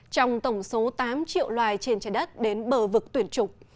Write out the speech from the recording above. tám triệu loài trên trái đất đến bờ vực tuyển chủng